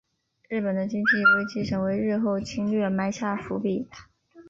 日本的经济危机成为日后的侵略埋下伏笔。